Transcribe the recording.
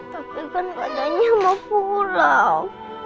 tapi kan badannya sama pulau